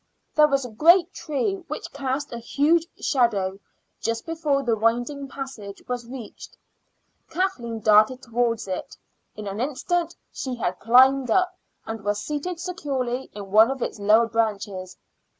There was a great tree, which cast a huge shadow, just before the winding passage was reached. Kathleen darted towards it. In an instant she had climbed up and was seated securely in one of its lower branches.